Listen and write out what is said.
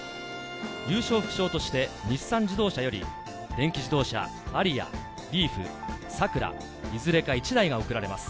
優勝副賞として日産自動車より電気自動車「アリア」「リーフ」「サクラ」いずれか１台が贈られます。